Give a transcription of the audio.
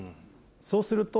そうすると。